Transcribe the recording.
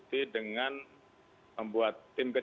terima kasih pak